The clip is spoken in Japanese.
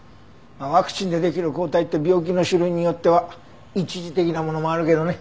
ワクチンでできる抗体って病気の種類によっては一時的なものもあるけどね。